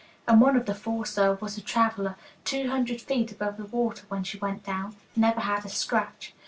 "And one of the four, sir, was on the "traveler," two hundred feet above the water, when she went down. Never had a scratch."